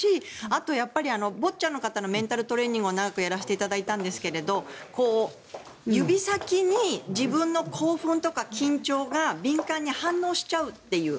あと、ボッチャの方のメンタルトレーニングを長くやらせていただいたんですけど指先に自分の興奮とか緊張が敏感に反応しちゃうという。